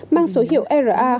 mang số hiệu ra